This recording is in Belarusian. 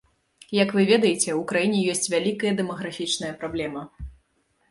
Як вы ведаеце, у краіне ёсць вялікая дэмаграфічная праблема.